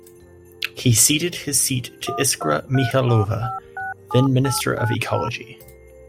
He ceded his seat to Iskra Mihailova, then-minister of ecology.